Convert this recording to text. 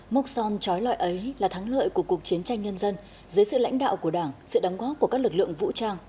mốc son trói loại ấy là thắng lợi của cuộc chiến tranh nhân dân dưới sự lãnh đạo của đảng sự đóng góp của các lực lượng vũ trang